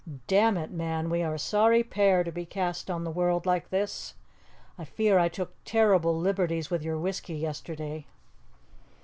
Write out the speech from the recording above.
Damn it, man, we are a sorry pair to be cast on the world like this! I fear I took terrible liberties with your whisky yesterday."